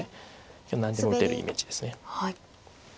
何でも打てるイメージです。